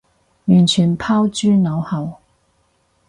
完全拋諸腦後